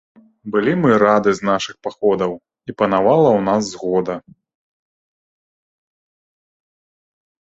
Былі мы рады з нашых паходаў, і панавала ў нас згода.